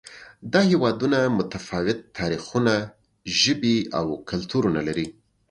دا هېوادونه متفاوت تاریخونه، ژبې او کلتورونه لري.